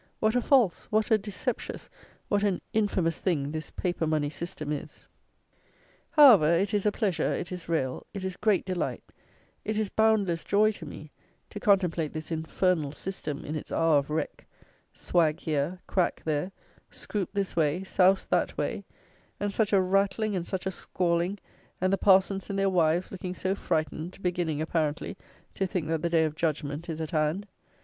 What a false, what a deceptious, what an infamous thing, this paper money system is! However, it is a pleasure, it is real, it is great delight, it is boundless joy to me, to contemplate this infernal system in its hour of wreck: swag here: crack there: scroop this way: souse that way: and such a rattling and such a squalling: and the parsons and their wives looking so frightened, beginning, apparently, to think that the day of judgment is at hand!